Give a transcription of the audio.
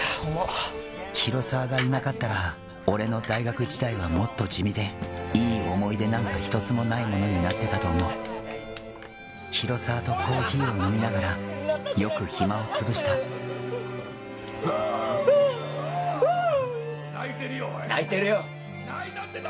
広沢がいなかったら俺の大学時代はもっと地味でいい思い出なんか１つもないものになってたと思う広沢とコーヒーを飲みながらよく暇を潰した泣いてるよ泣いてるよ